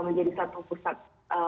menjadi satu pusat